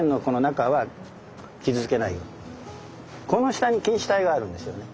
この下に菌糸体があるんですよね。